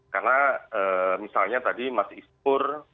karena misalnya tadi mas ispur